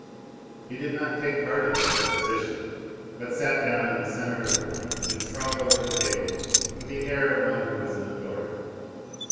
He did not take part in the perquisition, but sat down in the centre of the room and sprawled over the table with the air of one who was in authority.